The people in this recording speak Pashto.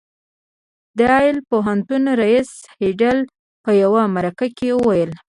د يل پوهنتون رييس هيډلي په يوه مرکه کې وويل.